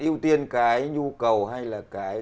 ưu tiên cái nhu cầu hay là cái